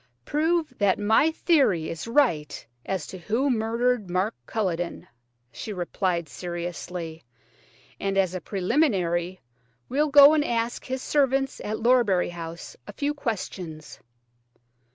"Prove that my theory is right as to who murdered Mark Culledon," she replied seriously; "and as a preliminary we'll go and ask his servants at Lorbury House a few questions."